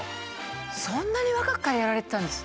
そんなに若くからやられてたんですね